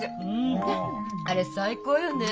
あれ最高よね。